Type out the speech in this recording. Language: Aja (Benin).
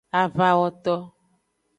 Avawoto.